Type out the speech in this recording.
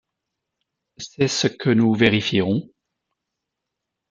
C’est ce que nous vérifierons.